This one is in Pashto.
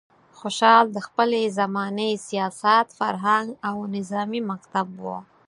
خوشحال د خپلې زمانې سیاست، فرهنګ او نظامي مکتب و.